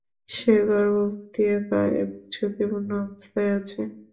সে গর্ভবতী, একা এবং ঝুকিপূর্ণ অবস্থায় আছে।